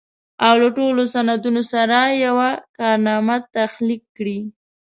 او له ټولو سندونو سره يوه کارنامه تخليق کړي.